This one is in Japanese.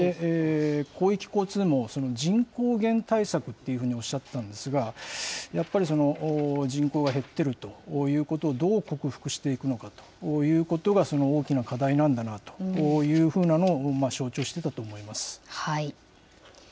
広域交通網、人口減対策っていうふうにおっしゃってたんですが、やっぱり、人口が減ってるということをどう克服していくのかということが、大きな課題なんだなというふうなのを象徴していたと思います。